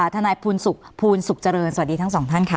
ทนายภูนศุกร์ภูนศุกร์เจริญสวัสดีทั้งสองท่านค่ะ